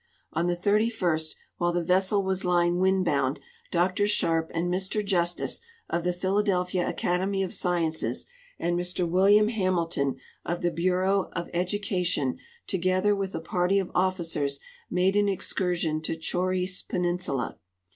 On the 31st, while the vessel was lying windbound, Dr Sharp and Mr Justice, of the Philadelphia Academy of Sciences, and Mr William Hamilton, of the Bureau of Education, together with a party of officers, made an excur sion to Choris peninsula.